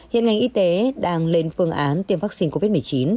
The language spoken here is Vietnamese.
hiện ngành y tế đang lên phương án tiêm vaccine covid một mươi chín